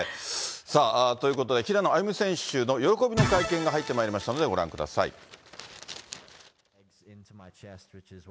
さあ、ということで、平野歩夢選手の喜びの会見が入ってまいりましたので、ご覧ください。